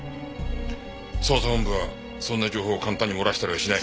捜査本部はそんな情報を簡単に漏らしたりはしない。